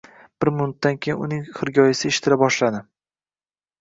Bir minutdan keyin uning hirgoyisi eshitila boshladi